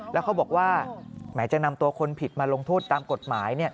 แล้วเขาบอกว่าแหมจะนำตัวคนผิดมาลงโทษตามกฎหมาย